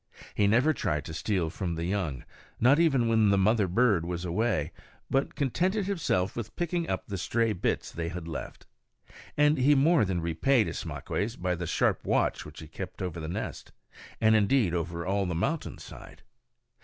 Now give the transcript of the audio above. He never tried to steal from the young, not even when the mother bird was away, but contented himself with picking up the stray bits that they had left. And he more than repaid Ismaques by the sharp watch which he kept over the nest, and indeed over all the mountain side.